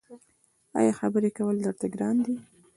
ایا خبرې کول درته ګران دي؟